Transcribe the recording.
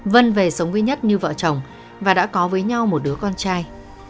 vân về sống duy nhất như vợ chồng và đã có với nhau một đứa con trai